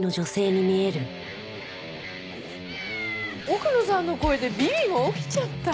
奥野さんの声でビビも起きちゃった。